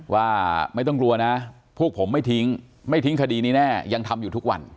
ว่าไม่ต้องกลัวนะพวกผมไม่ทิ้งไม่ทิ้งคดีนี้แน่ยังทำอยู่ทุกวัน